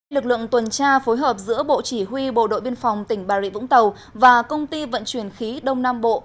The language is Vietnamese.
lực lượng tuần tra phối hợp giữa bộ chỉ huy bộ đội biên phòng tỉnh bà rịa vũng tàu và công ty vận chuyển khí đông nam bộ